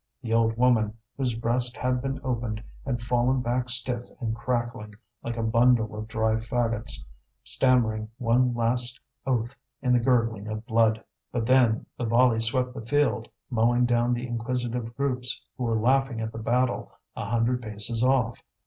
The old woman, whose breast had been opened, had fallen back stiff and crackling, like a bundle of dry faggots, stammering one last oath in the gurgling of blood. But then the volley swept the field, mowing down the inquisitive groups who were laughing at the battle a hundred paces off.